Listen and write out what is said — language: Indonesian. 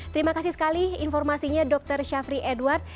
terima kasih sekali informasinya dr syafri edward